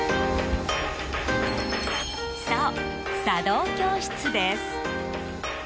そう、茶道教室です。